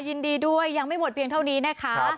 ยินดีด้วยยังไม่หมดเพียงเท่านี้นะคะ